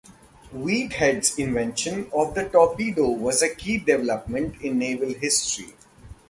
Whitehead's invention of the torpedo was a key development in naval history.